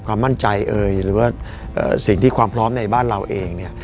ความมั่นใจเอ่ยหรือว่าสิ่งที่ความพร้อมในบ้านเราเองเนี่ย